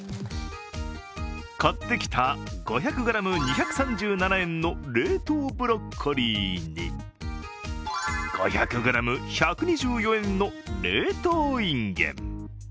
買ってきた５００ｇ２３７円の冷凍ブロッコリーに５００ｇ１２４円の冷凍いんげん。